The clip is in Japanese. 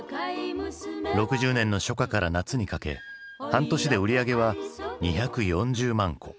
６０年の初夏から夏にかけ半年で売り上げは２４０万個。